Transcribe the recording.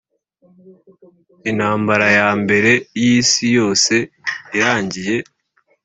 intambara ya mbere y'isi yose irangiye,